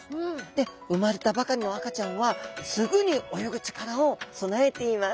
で産まれたばかりの赤ちゃんはすぐに泳ぐ力を備えています。